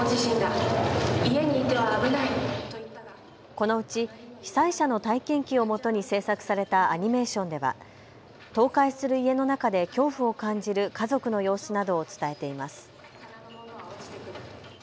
このうち被災者の体験記をもとに制作されたアニメーションでは倒壊する家の中で恐怖を感じる家族の様子などを伝えています。